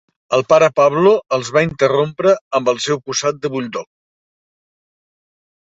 El pare Pablo els va interrompre amb el seu posat de buldog.